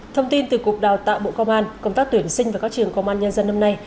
thông tin từ cục đào tạo bộ công an công tác tuyển sinh và các trường công an nhân dân năm nay